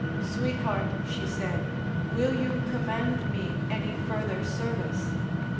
Sweet heart (she said) will you command me any further service?